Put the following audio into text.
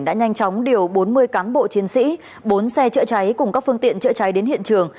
đã nhanh chóng điều bốn mươi cán bộ chiến sĩ bốn xe chữa cháy cùng các phương tiện chữa cháy đến hiện trường